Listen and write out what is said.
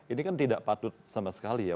ini kan tidak patut sama sekali ya